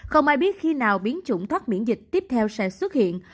không ai biết khi nào biến chủng thắt miễn dịch tiếp theo sẽ xuất hiện